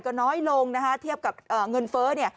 ก็น้อยลงนะเทียบกับเงินเฟ้อห์